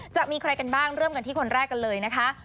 จะมีใครกันบ้างเริ่มกันที่คนแรกกันเลยนะคะ